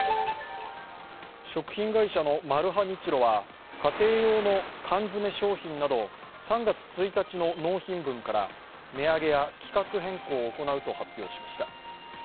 食品会社のマルハニチロは家庭用の缶詰商品など３月１日の納品分から値上げや規格変更を行うと発表しました。